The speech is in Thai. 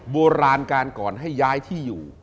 โบราณการก่อนให้ย้ายที่อยู่